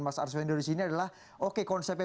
mas arsuf endor disini adalah oke konsepnya